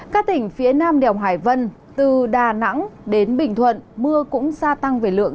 các tỉnh phía nam đèo hải vân từ đà nẵng đến bình thuận mưa cũng gia tăng về lượng